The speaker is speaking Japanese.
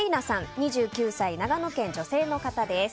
２９歳、長野県、女性の方です。